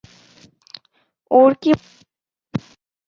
ওর কি মন নেই।